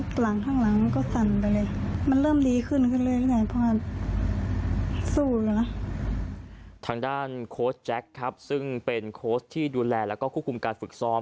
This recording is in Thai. ทางด้านโค้ชแจ็คครับซึ่งเป็นโค้ชที่ดูแลแล้วก็ควบคุมการฝึกซ้อม